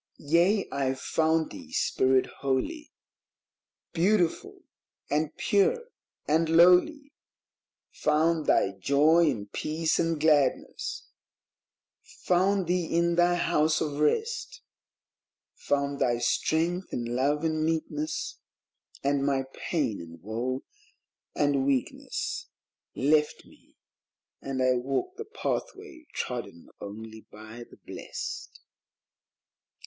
Yea, I found thee, Spirit holy, Beautiful and pure and lowly; Found thy Joy and Peace and Gladness ; found thee in thy House of Rest; Found thy strength in Love and Meekness, And my pain and woe and weakness Left me, and I walked the Pathway trodden only by the blest.